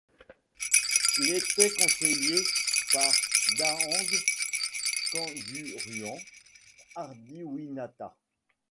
Il était conseillé par Daeng Kanduruan Ardiwinata.